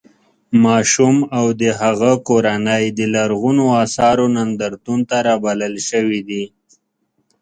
ماشوم او د هغه کورنۍ د لرغونو اثارو نندارتون ته رابلل شوي دي.